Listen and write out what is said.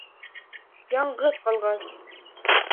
Яңғыҙ ҡалғас...